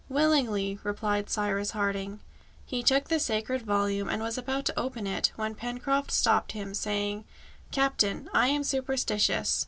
"Willingly," replied Cyrus Harding. He took the sacred volume, and was about to open it, when Pencroft stopped him, saying, "Captain, I am superstitious.